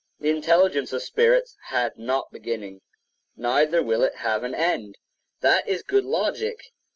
The intelligence of spirits had not beginning, neither will it have an end. That is good logic.